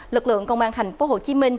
lực lượng công an tp hcm